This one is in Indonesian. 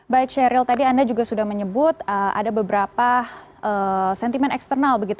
baik sheryl tadi anda juga sudah menyebut ada beberapa sentimen eksternal